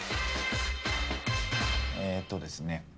えっとですね